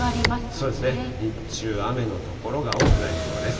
そうですね、日中雨の所が多くなりそうです。